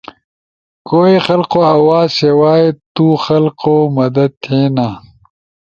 کوئی خلقو آواز سوائے تو خلخو مدد تھے نا۔